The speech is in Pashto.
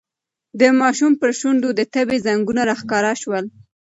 د ماشوم پر شونډو د تبې ځگونه راښکاره شول.